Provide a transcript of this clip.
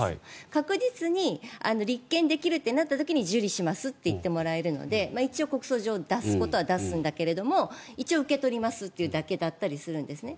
確実に立件できるってなった時に受理しますと言ってもらえるので一応、告訴状を出すことは出すんだけども一応、受け取りますというだけだったりするんですね。